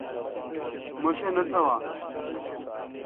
مہ ݭا نہ تھاوا۔